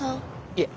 いえ